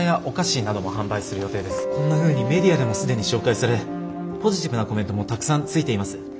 こんなふうにメディアでも既に紹介されポジティブなコメントもたくさんついています。